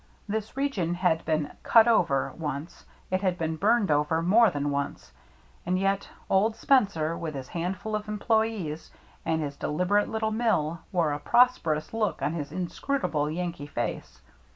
This region had been " cut over " once ; it had been burned over more than once; and yet old Spencer, with his handful of em ployees and his deliberate little mill, wore a prosperous look on his inscrutable Yankee face.